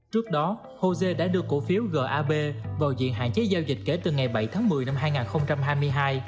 trước đó hồ sê đã đưa cổ phiếu gap vào diện hạn chế giao dịch kể từ ngày bảy tháng một mươi năm hai nghìn hai mươi hai